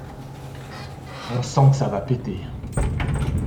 On sent que ça va péter.